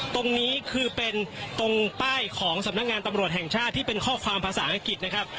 ตรงนี้คือเป็นตรงป้ายของสำนักงานตำรวจแห่งชาติที่เป็นข้อความภาษาอังกฤษนะครับ